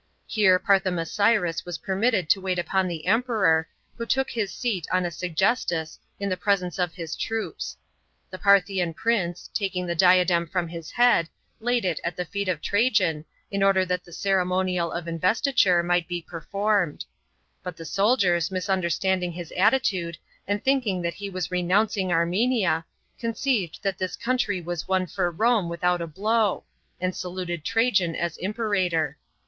Here Parthomasiris was permitted to wait upon the Emperor, who took his seat on a svggestus in the presence of the troops. The Parthian prince, taking the diadem from his head, laid it at the feet of Trajan, in order that the ceremonial of investiture mhht be performed ; but the soldiers, misunderstanding his attitude, and thinking that he was renouncing Armenia, conceived that this country was won for Rome without a blow, and saluted Trajan as Imperator.